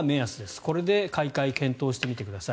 これで買い替え検討してみてください。